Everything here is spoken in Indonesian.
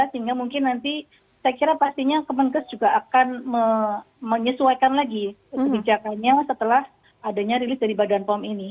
sehingga mungkin nanti saya kira pastinya kemenkes juga akan menyesuaikan lagi kebijakannya setelah adanya rilis dari badan pom ini